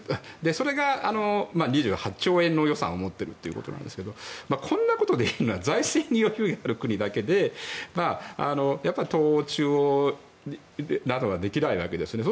それが、２８兆円の予算を持っているということなんですけどもこんなことできるのは財政に余裕がある国だけでやっぱり東欧、中欧などはできないわけですね。